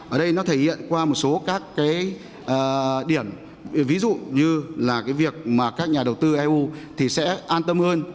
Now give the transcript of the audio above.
ở đây nó thể hiện qua một số các điểm ví dụ như việc các nhà đầu tư eu sẽ an tâm hơn